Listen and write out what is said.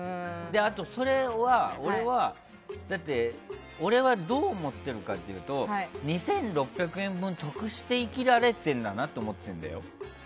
あと、それは俺はどう思ってるかっていうと２６００円分得して生きられているんだなって思ってるんだよ。